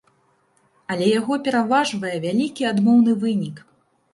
Але яго пераважвае вялікі адмоўны вынік!